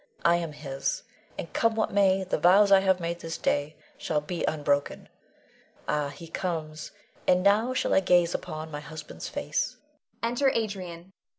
I am his, and come what may, the vows I have this day made shall be unbroken. Ah, he comes; and now shall I gaze upon my husband's face! [Enter Adrian. Adrian.